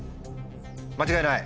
間違いない？